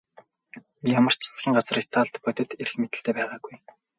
Ямар ч засгийн газар Италид бодит эрх мэдэлтэй байгаагүй.